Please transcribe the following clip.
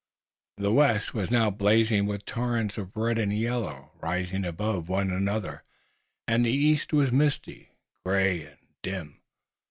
The west was now blazing with terraces of red and yellow, rising above one another, and the east was misty, gray and dim.